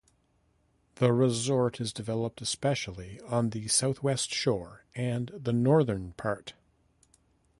The resort is developed especially on the southwest shore and the northern part.